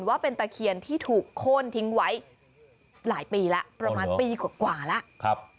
ว่าเป็นตะเคียนที่ถูกโค้นทิ้งไว้หลายปีแล้วประมาณปีกว่าแล้ว